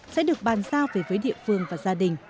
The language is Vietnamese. sẽ được bàn giao về với địa phương và gia đình